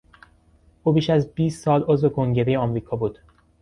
او بیش از بیست سال عضو کنگرهی امریکا بود.